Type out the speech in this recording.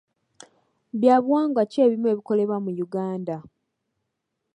Bya buwangwa ki ebimu ebikolebwa mu Uganda?